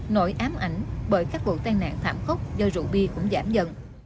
nỗi ám ảnh bởi các vụ tai nạn thảm khốc do rượu bia cũng giảm dần